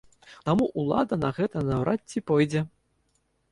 Таму ўлада на гэта наўрад ці пойдзе.